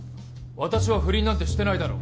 私は不倫なんてしてないだろ。